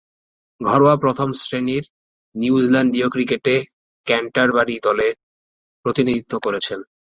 ঘরোয়া প্রথম-শ্রেণীর নিউজিল্যান্ডীয় ক্রিকেটে ক্যান্টারবারি দলের প্রতিনিধিত্ব করেছেন।